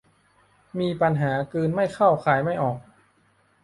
มีปัญหากลืนไม่เข้าคายไม่ออก